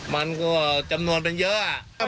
มันก็จำนวนมันเยอะ